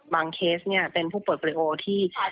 เคสเนี่ยเป็นผู้ป่วยโปรลิโอที่